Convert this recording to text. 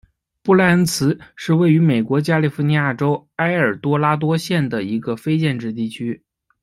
布赖恩茨是位于美国加利福尼亚州埃尔多拉多县的一个非建制地区。